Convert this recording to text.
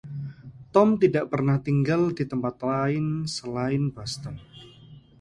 Tom tidak pernah tinggal di tempat lain selain Boston.